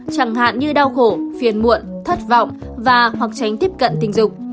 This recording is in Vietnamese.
chẳng hạn như đau khổ phiền muộn thất vọng và hoặc tránh tiếp cận tình dục